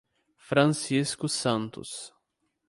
Francisco Santos